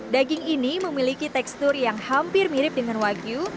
daging ini memiliki tekstur yang hampir mirip dengan wagyu